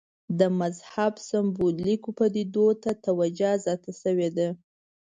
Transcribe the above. د مذهب سېمبولیکو پدیدو ته توجه زیاته شوې ده.